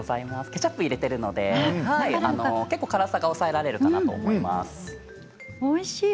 ケチャップを入れているので結構辛さが抑えられるかなとおいしい。